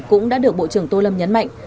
cũng đã được bộ trưởng tô lâm nhấn mạnh